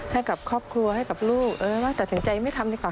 ให้กับครอบครัวให้กับลูกเออว่าตัดสินใจไม่ทำดีกว่า